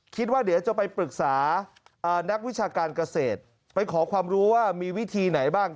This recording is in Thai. คิดว่าเดี๋ยวจะไปปรึกษานักวิชาการเกษตรไปขอความรู้ว่ามีวิธีไหนบ้าง